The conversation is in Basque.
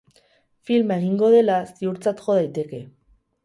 Filma egingo dela ziurtzat jo daiteke.